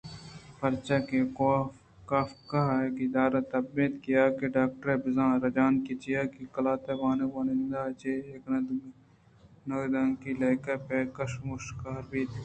پرچہ اے کافکا ءِ گِدار ءِ تب اِنت یا کہ ڈاکٹر بیزن ءِ رجانکے چیاکہ قلات ءِ وانگ ءَ وانوک چہ اے نگدانکی لیکہ ءَ پہک شموشکار بیت